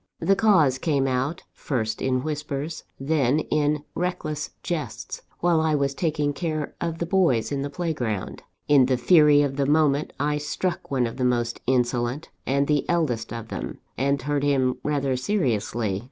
The cause came out, first in whispers, then in reckless jests, while I was taking care of the boys in the playground. In the fury of the moment I struck one of the most insolent, and the eldest of them, and hurt him rather seriously.